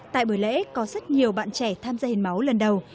tại buổi lễ có rất nhiều bạn trẻ tham gia hiến máu lần đầu